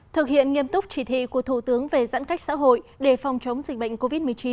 thực hiện nghiêm túc chỉ thị của thủ tướng về giãn cách xã hội để phòng chống dịch bệnh covid một mươi chín